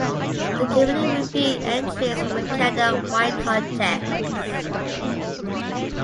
The committee reviewed entries from a Canada wide contest.